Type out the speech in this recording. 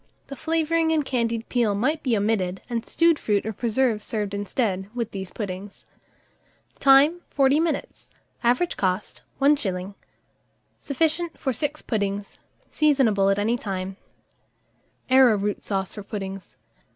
The flavouring and candied peel might be omitted, and stewed fruit or preserve served instead, with these puddings. Time. 40 minutes. Average cost, 1s. Sufficient for 6 puddings. Seasonable at any time. ARROWROOT SAUCE FOR PUDDINGS.